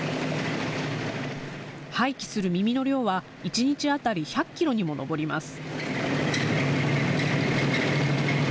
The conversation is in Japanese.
廃棄する耳の量は、１日当たり１００キロにも上ります。